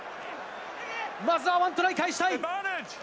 まずはワントライ返したい。